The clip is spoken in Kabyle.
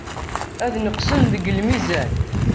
Ad neqsen deg lmizan.